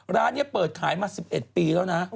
ร้านนี้เปิดขายมา๑๑ปีแล้วนะ